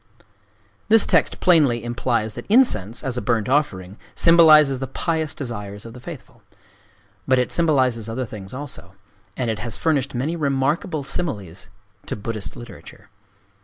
This text plainly implies that incense, as a burnt offering, symbolizes the pious desires of the faithful. But it symbolizes other things also; and it has furnished many remarkable similes to Buddhist literature.